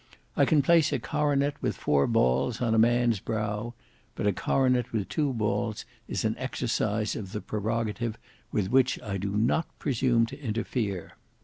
I can place a coronet with four balls on a man's brow; but a coronet with two balls is an exercise of the prerogative with which I do not presume to interfere."